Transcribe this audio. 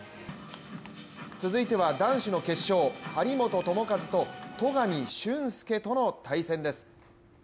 続いては男子の決勝張本智和と戸上隼輔との対戦です。